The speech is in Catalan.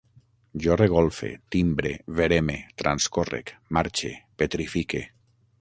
Jo regolfe, timbre, vereme, transcórrec, marxe, petrifique